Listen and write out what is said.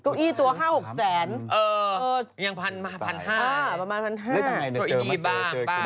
ตัวอี้ตัว๕๖แสนประมาณ๑๕๐๐บาท